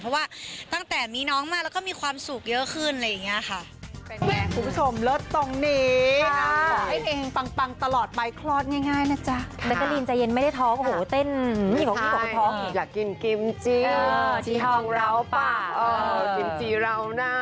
เพราะว่าตั้งแต่มีน้องมาแล้วก็มีความสุขเยอะขึ้นอะไรอย่างนี้ค่ะ